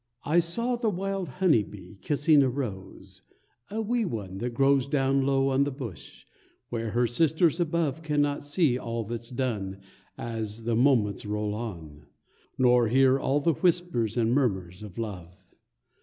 I saw the wild honey bee kissing a rose A wee one, that grows Down low on the bush, where her sisters above Cannot see all that's done As the moments roll on. Nor hear all the whispers and murmurs of love.